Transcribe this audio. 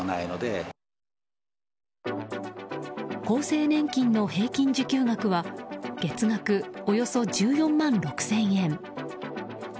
厚生年金の平均受給額は月額およそ１４万６０００円。